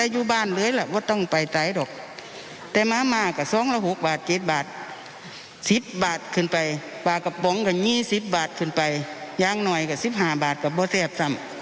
ย้างหน่อยกับ๑๕บาทก็ไม่เจ็บสำ